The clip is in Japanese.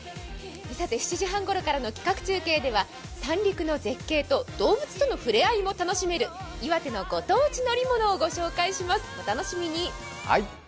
７時半ごろからの企画中継では三陸の絶景と動物とのふれあいも楽しめる岩手のご当地乗り物をご紹介します、お楽しみに。